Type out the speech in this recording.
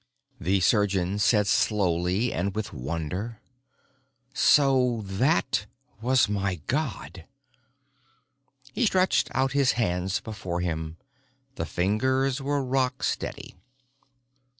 The surgeon said slowly and with wonder: "So that was my God!" He stretched out his hands before him. The fingers were rock steady.